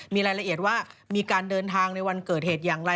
มีรายละเอียดว่ามีการเดินทางในวันเกิดเหตุอย่างไร